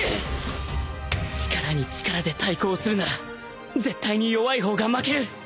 力に力で対抗するなら絶対に弱い方が負ける